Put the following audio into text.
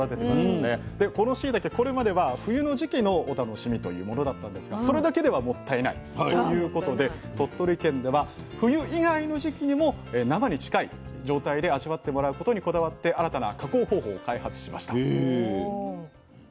でこのしいたけこれまでは冬の時期のお楽しみというものだったんですがそれだけではもったいないということで鳥取県では冬以外の時期にも生に近い状態で味わってもらうことにこだわって新たな加工方法を開発しました。